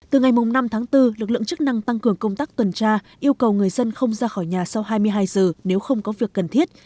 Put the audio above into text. từ ngày năm tháng bốn lực lượng chức năng tăng cường công tác tuần tra yêu cầu người dân không ra khỏi nhà sau hai mươi hai giờ nếu không có việc cần thiết